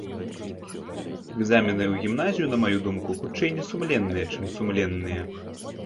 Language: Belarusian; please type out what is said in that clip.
Экзамены ў гімназію, на маю думку, хутчэй несумленныя, чым сумленныя.